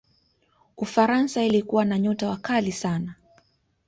ufaransa ilikuwa na nyota wakali sana